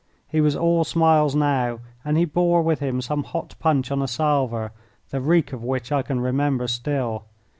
He was all smiles now, and he bore with him some hot punch on a salver, the reek of which I can remember still.